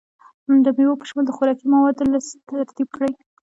د میوو په شمول د خوراکي موادو لست ترتیب کړئ.